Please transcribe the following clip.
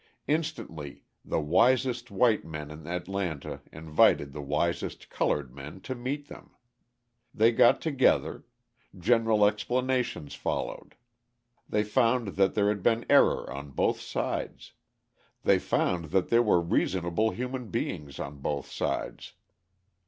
Instantly the wisest white men in Atlanta invited the wisest coloured men to meet them. They got together: general explanations followed. They found that there had been error on both sides; they found that there were reasonable human beings on both sides.